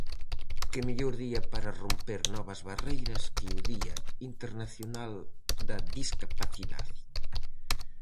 Que mellor día para romper novas barreiras que o día internacional da discapacidade.